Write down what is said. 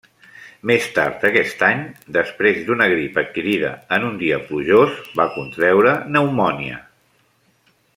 Més tard d'aquest any, després d'una grip adquirida en un dia plujós, va contreure pneumònia.